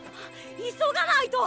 急がないと！